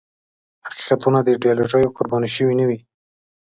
حقیقتونه د ایدیالوژیو قرباني شوي نه وي.